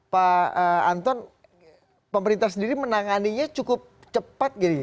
pak anton pemerintah sendiri menanganinya cukup cepat